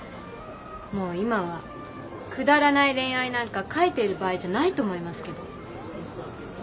もう今はくだらない恋愛なんか書いている場合じゃないと思いますけど。